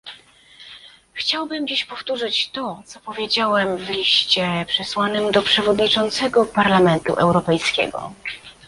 Chciałbym dziś powtórzyć to, co powiedziałem w liście przesłanym do przewodniczącego Parlamentu Europejskiego